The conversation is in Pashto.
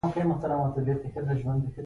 د خپل دروني احساس بیانول یې پیل کړل.